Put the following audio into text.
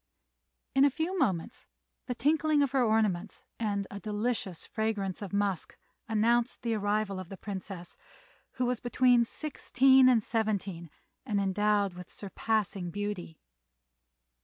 In a few moments the tinkling of her ornaments and a delicious fragrance of musk announced the arrival of the Princess, who was between sixteen and seventeen and endowed with surpassing beauty.